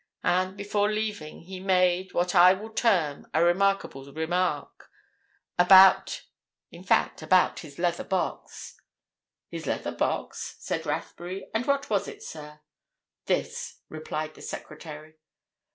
And before leaving he made, what I will term, a remarkable remark. About—in fact, about his leather box." "His leather box?" said Rathbury. "And what was it, sir?" "This," replied the secretary.